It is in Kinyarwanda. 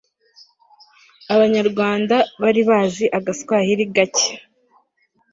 abanyarwanda bari bazi agaswahili gake